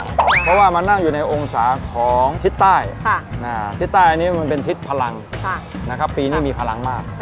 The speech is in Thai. เพราะว่ามานั่งอยู่ในองศาของทิศใต้ทิศใต้อันนี้มันเป็นทิศพลังนะครับปีนี้มีพลังมาก